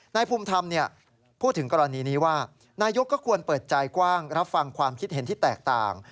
นายภูมิธรรมพูดถึงกรณีนี้ว่านายกก็ควรเปิดใจกว้างรับฟังความคิดเห็นที่แตกต่าง